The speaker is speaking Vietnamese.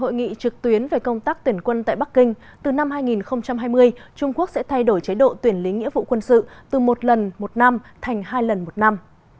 trong hội nghị trực tuyến về công tác tuyển quân tại bắc kinh từ năm hai nghìn hai mươi trung quốc sẽ thay đổi chế độ tuyển lính nghĩa vụ quân sự từ một lần một năm thành hai lần một năm